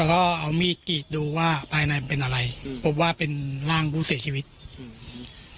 แล้วก็เอามีดกรีดดูว่าภายในมันเป็นอะไรอืมพบว่าเป็นร่างผู้เสียชีวิตอืม